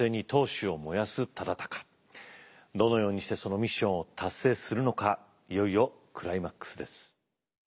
どのようにしてそのミッションを達成するのかいよいよクライマックスです。